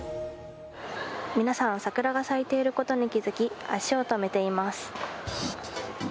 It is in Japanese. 皆さん桜が咲いていることに気付き足を止めています。